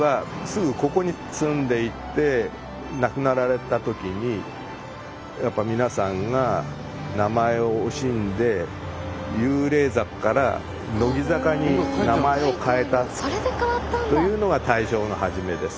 亡くなられた時にやっぱ皆さんが名前を惜しんで幽霊坂から乃木坂に名前を変えたというのが大正の初めです。